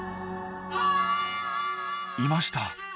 いました。